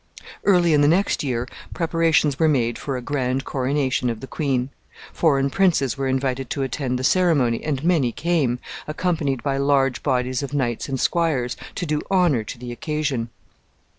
Early in the next year preparations were made for a grand coronation of the queen. Foreign princes were invited to attend the ceremony, and many came, accompanied by large bodies of knights and squires, to do honor to the occasion.